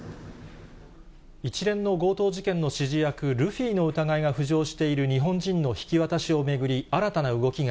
一連の強盗事件の指示役、ルフィの疑いが浮上している日本人の引き渡しを巡り、新たな動き